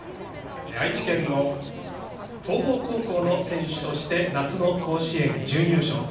愛知県の東邦高校の選手として夏の甲子園準優勝。